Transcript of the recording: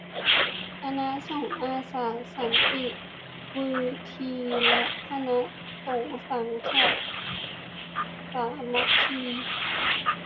คณะสงฆ์อาสาสันติวืธี และ คณะสงฆ์สังฆะสามัคคี